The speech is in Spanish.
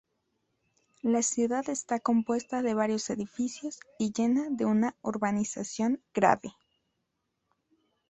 La ciudad está compuesta de varios edificios y llena de una urbanización grade.